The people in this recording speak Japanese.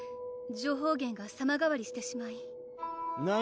情報源が様がわりしてしまい・何？